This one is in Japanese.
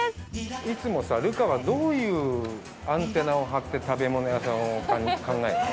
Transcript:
いつもさ、留伽はどういうアンテナを張って食べ物屋さんを考えるの？